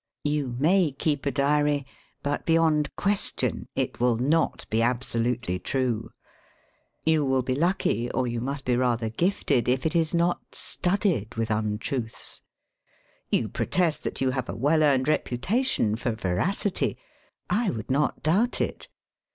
You may keep a diary, but beyond question it will not be absolutely true. You will be lucky, or you must be rather gifted, if it is not studded with un truths. You protest that you have a well earned reputation for veracity. I would not doubt it.